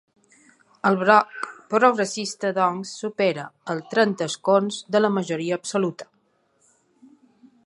El bloc progressista, doncs, supera els trenta escons de la majoria absoluta.